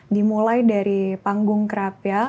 dimulai dari panggung kerapiak